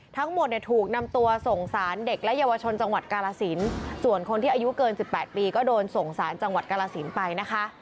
ทั้งหมดเนี่ยถูกนำตัวส่งสารเด็กและเยาวชนจังหวัดกาลสินส่วนคนที่อายุเกิน๑๘ปีก็โดนส่งสารจังหวัดกาลสินไปนะคะ